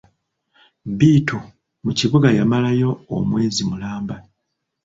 Bittu mu kibuga yamalayo omwezi mulamba.